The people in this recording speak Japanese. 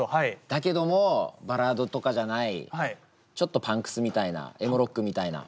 だけどもバラードとかじゃないちょっとパンクスみたいなエモロックみたいな。